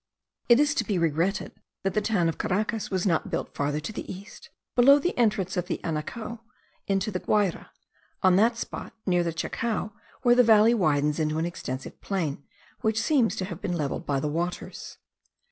It is to be regretted that the town of Caracas was not built farther to the east, below the entrance of the Anauco into the Guayra; on that spot near Chacao, where the valley widens into an extensive plain, which seems to have been levelled by the waters.